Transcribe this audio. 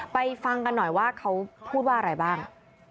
ฟังกันหน่อยว่าเขาพูดว่าอะไรบ้าง